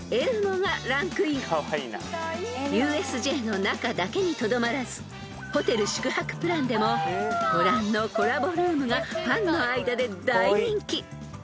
［ＵＳＪの中だけにとどまらずホテル宿泊プランでもご覧のコラボルームがファンの間で大人気］